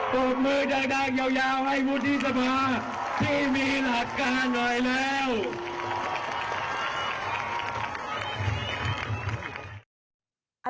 อบมือจะดักยาวให้พุทธธิสภาที่มีหลักการหน่อยแล้ว